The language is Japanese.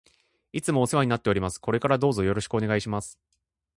いつもお世話になっております。これからどうぞよろしくお願いします。